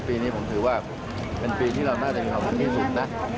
ปีนี้ผมถือว่าเป็นปีที่เราน่าจะมีความสุขที่สุดนะ